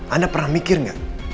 anda pernah mikir nggak